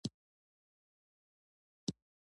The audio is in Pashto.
برېتانيا سره یو شان دي.